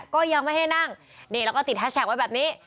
ก็ยังไม่ให้นั่งนี่แล้วก็ติดแฮชแท็กไว้แบบนี้